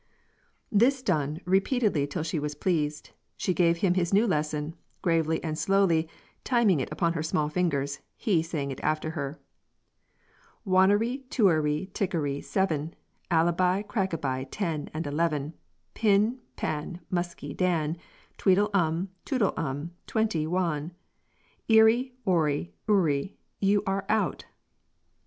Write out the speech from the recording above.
This done repeatedly till she was pleased, she gave him his new lesson, gravely and slowly, timing it upon her small fingers, he saying it after her, "Wonery, twoery, tickery, seven; Alibi, crackaby, ten and eleven; Pin, pan, musky dan; Tweedle um, twoddle um, twenty wan; Eerie, orie, ourie, You, are, out."